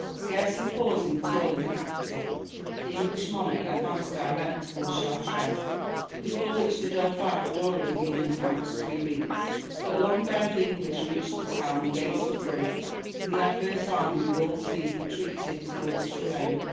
Scarcely pausing at all in the capital, the English monarch advanced direct toward Chartres, before which the Dauphin had already been encamped three weeks; but long ere the English reached the town the gates were free, and the adverse army with all speed retreated toward Touraine.